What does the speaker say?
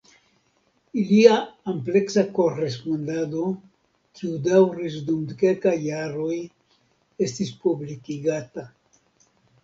Ilia ampleksa korespondado, kiu daŭris dum kelkaj jaroj, estis publikigata.